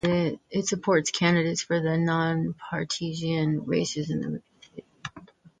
It supports candidates for the nonpartisan races in the city.